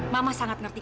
mama sangat mengerti